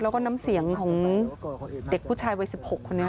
แล้วก็น้ำเสียงของเด็กผู้ชายวัย๑๖คนนี้